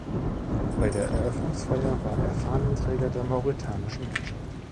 Bei der Eröffnungsfeier war er Fahnenträger der mauretanischen Mannschaft.